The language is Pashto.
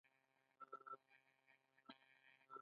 تر ناستې وروسته پسرلي صاحب يو شعر راکړ.